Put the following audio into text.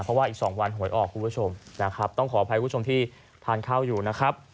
เพราะว่าอีก๒วันหวยออกคุณผู้ชมนะครับต้องขออภัยคุณผู้ชมที่ทานข้าวอยู่นะครับ